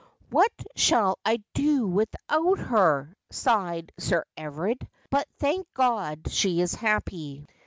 'What shall I do without her?' sighed Sir Everard. 'But thank God she is happy.'